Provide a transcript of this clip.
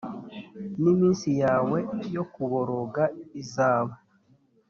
niminsi yawe yo kuboroga izaba